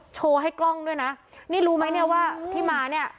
โชว์ให้กล้องด้วยนะนี่รู้ไหมเนี่ยว่าที่มาเนี่ย